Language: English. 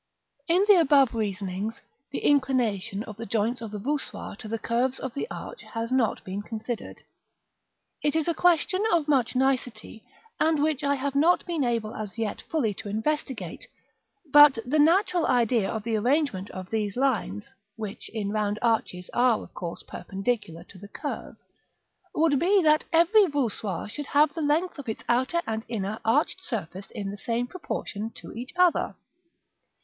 In the above reasonings, the inclination of the joints of the voussoirs to the curves of the arch has not been considered. It is a question of much nicety, and which I have not been able as yet fully to investigate: but the natural idea of the arrangement of these lines (which in round arches are of course perpendicular to the curve) would be that every voussoir should have the lengths of its outer and inner arched surface in the same proportion to each other.